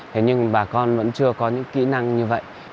thế nhưng bà con vẫn chưa có những kỹ năng như vậy